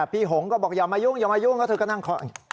หงก็บอกอย่ามายุ่งอย่ามายุ่งแล้วเธอก็นั่งเคาะ